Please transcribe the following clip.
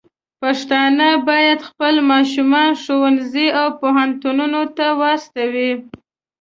پښتانه بايد خپل ماشومان ښوونځي او پوهنتونونو ته واستوي.